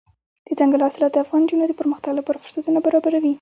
دځنګل حاصلات د افغان نجونو د پرمختګ لپاره فرصتونه برابروي.